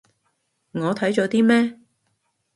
我睇咗啲咩